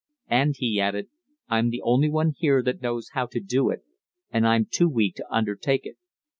"And," he added, "I'm the only one here that knows how to do it, and I'm too weak to undertake it.